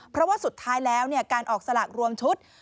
เพราะว่าสุดท้ายแล้วการออกสลากรวมชุด